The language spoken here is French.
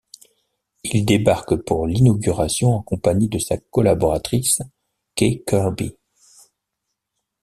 Il débarque pour l'inauguration en compagnie de sa collaboratrice, Kay Kirby.